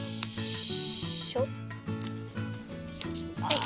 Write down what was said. はい。